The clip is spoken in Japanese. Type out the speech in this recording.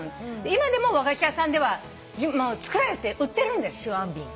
今でも和菓子屋さんでは作られて売ってるんです。